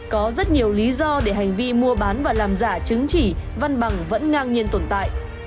có rất nhiều lý do để hành vi mua bán và làm giả chứng chỉ văn bằng vẫn ngang nhiên tồn tại